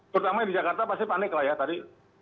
terutama di jakarta pasti panik lah ya tadi